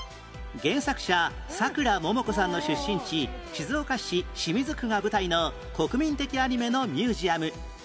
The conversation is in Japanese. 原作者さくらももこさんの出身地静岡市清水区が舞台の国民的アニメのミュージアム